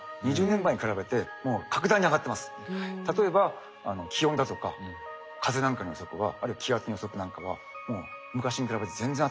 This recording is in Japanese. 例えば気温だとか風なんかの予測はあるいは気圧の予測なんかはもう昔に比べて全然当たりますね。